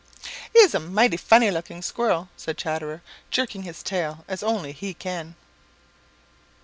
"He's a mighty funny looking Squirrel," said Chatterer, jerking his tail as only he can.